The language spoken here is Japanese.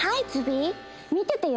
．見ててよ！